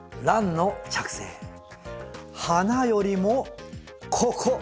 花よりもここ！